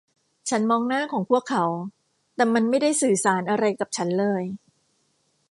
ฉันมองหน้าของพวกเขา แต่มันไม่ได้สื่อสารอะไรกับฉันเลย